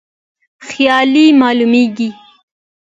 خیالي معلومیږي.